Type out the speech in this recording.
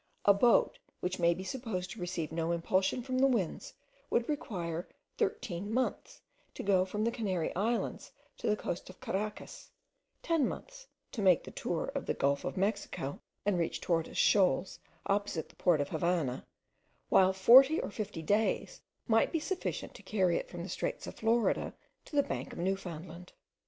A boat, which may be supposed to receive no impulsion from the winds, would require thirteen months to go from the Canary Islands to the coast of Caracas, ten months to make the tour of the gulf of Mexico and reach Tortoise Shoals opposite the port of the Havannah, while forty or fifty days might be sufficient to carry it from the straits of Florida to the bank of Newfoundland.